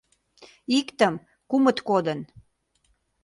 — Иктым, кумыт кодын.